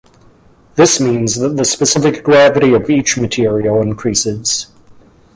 This means that the specific gravity of each material increases.